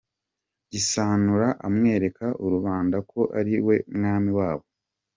Gisanura amwereka rubanda ko ari we mwami wabo.